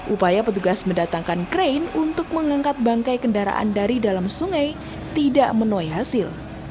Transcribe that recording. upaya petugas mendatangkan krain untuk mengangkat bangkai kendaraan dari dalam sungai tidak menuai hasil